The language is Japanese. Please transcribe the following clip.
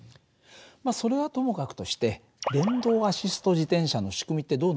まあそれはともかくとして電動アシスト自転車の仕組みってどうなってるか知ってる？